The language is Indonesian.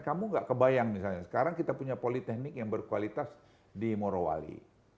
kamu gak kebayang misalnya sekarang kita punya politeknik yang berkualitas di morowali